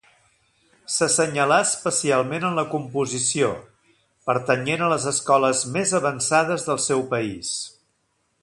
S'assenyalà especialment en la composició, pertanyent a les escoles més avançades del seu país.